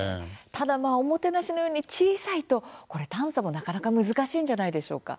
ただオモテナシのように小さいと、これ探査もなかなか難しいんじゃないでしょうか？